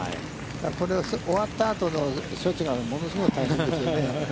終わったあとの処置が物すごい大変ですよね。